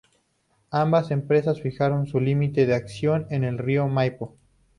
Ambas empresas fijaron su límite de acción en el río Maipo.